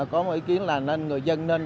có một ý kiến là người dân nên